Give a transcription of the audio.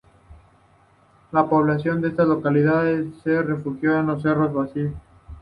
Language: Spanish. La población de estas localidades se refugió en los cerros vecinos.